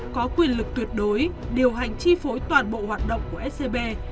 có quyền lực tuyệt đối điều hành chi phối toàn bộ hoạt động của scb